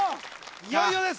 いよいよです